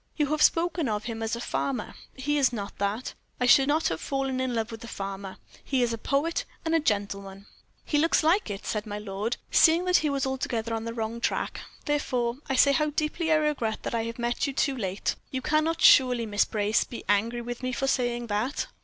"You have spoken of him as a farmer, he is not that. I should not have fallen in love with a farmer. He is a poet and a gentleman." "He looks like it," said my lord, seeing that he was altogether on the wrong track, "therefore I say how deeply I regret that I have met you too late. You cannot surely, Miss Brace, be angry with me for saying that?"